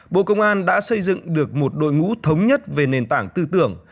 bộ công an đã xây dựng được một đội ngũ thống nhất về nền tảng tư tưởng